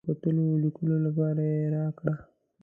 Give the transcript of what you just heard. د کتلو او لیکلو لپاره یې راکړه.